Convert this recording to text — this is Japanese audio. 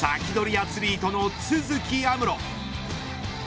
アツリートの都筑有夢路。